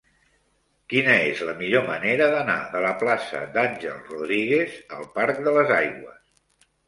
Quina és la millor manera d'anar de la plaça d'Àngel Rodríguez al parc de les Aigües?